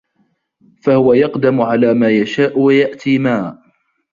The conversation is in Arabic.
فَهُوَ يَقْدَمُ عَلَى مَا يَشَاءُ وَيَأْتِي مَا